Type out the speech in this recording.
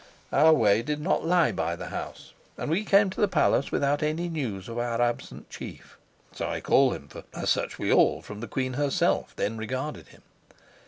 Our way did not lie by the house, and we came to the palace without any news of our absent chief (so I call him as such we all, from the queen herself, then regarded him).